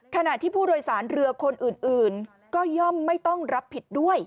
ขณะที่ผู้โดยสารเรือคนอื่นก็ย่อมไม่ต้องรับผิดด้วย